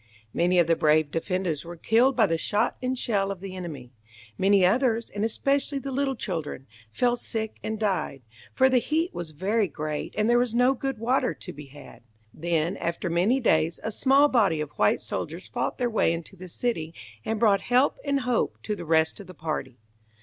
Many of the brave defenders were killed by the shot and shell of the enemy. Many others, and especially the little children, fell sick and died, for the heat was very great, and there was no good water to be had. Then, after many days, a small body of white soldiers fought their way into the city, and brought help and hope to the rest of the party.